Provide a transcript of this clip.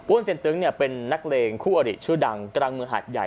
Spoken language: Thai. อ้วนเซียนตึ๊งเนี่ยเป็นนักเรงคู่อดิตชื่อดังกรรมฯหากไย